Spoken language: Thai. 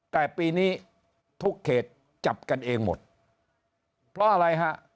แต่ปีนี้ทุกเขตจับกันเองหมดเพราะอะไรฮะ